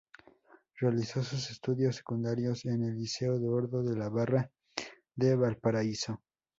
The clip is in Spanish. Realizó sus estudios secundarios en el Liceo Eduardo de la Barra de Valparaíso.